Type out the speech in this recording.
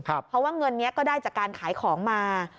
เพราะว่าเงินนี้ก็ได้จากการขายของมา